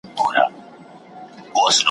دا وګړي ډېر کړې خدایه خپل بادار ته غزل لیکم `